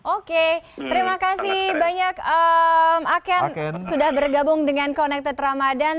oke terima kasih banyak aken sudah bergabung dengan connected ramadhan